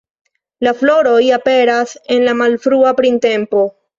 La floroj aperas en la malfrua printempo.